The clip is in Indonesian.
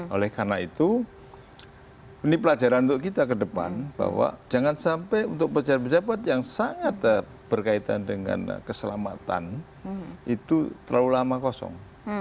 oleh karena itu ini pelajaran untuk kita ke depan bahwa jangan sampai untuk pejabat pejabat yang sangat berkaitan dengan keselamatan itu terlalu lama kosong